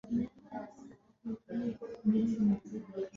Alisoma Shule ya Msingi Bulekei kwa masomo yake ya msingi.